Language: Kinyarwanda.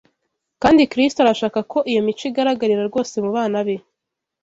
Kandi Kristo arashaka ko iyo mico igaragarira rwose mu bana be